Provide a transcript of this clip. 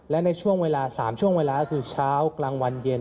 และในช่วงเวลา๓ช่วงเวลาก็คือเช้ากลางวันเย็น